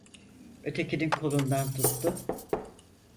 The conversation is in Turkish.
Ötekinin kolundan tuttu.